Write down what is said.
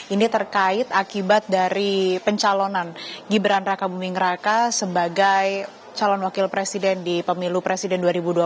ini terkait akibat dari pencalonan gibran raka buming raka sebagai calon wakil presiden di pemilu presiden dua ribu dua puluh